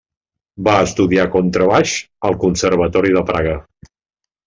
Va estudiar contrabaix al Conservatori de Praga.